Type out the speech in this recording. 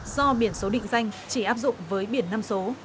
do biển số định danh chỉ áp dụng với biển năm số